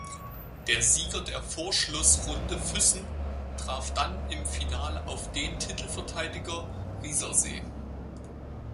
Der Sieger der Vorschlussrunde (Füssen) traf dann im Finale auf den Titelverteidiger Riessersee.